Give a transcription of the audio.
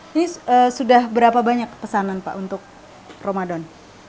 ini sudah berapa banyak pesanan pak untuk ramadan